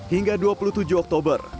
hingga dua puluh tujuh oktober